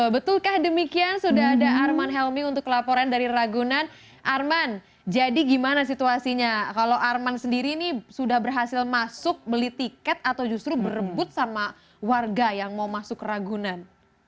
betulkah demikian sudah ada arman helmi untuk laporan dari ragunan arman jadi gimana situasinya kalau arman sendiri ini sudah berhasil masuk beli tiket atau justru berebut sama warga yang mau masuk ke ragunan